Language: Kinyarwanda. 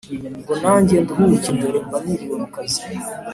Ngo nanjye nduhuke dore mba niriwe mukazi